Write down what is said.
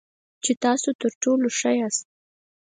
چې تاسو تر ټولو ښه یاست .